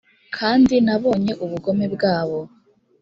kandi nabonye ubugome bwabo